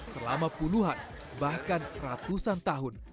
selama puluhan bahkan ratusan tahun